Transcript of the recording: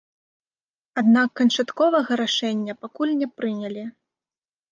Аднак канчатковага рашэння пакуль не прынялі.